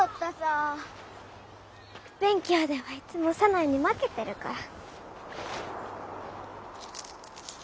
勉強ではいつも早苗に負けてるから。